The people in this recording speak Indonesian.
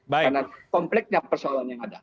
karena kompleknya persoalan yang ada